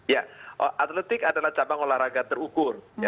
ya atletik adalah cabang olahraga terukur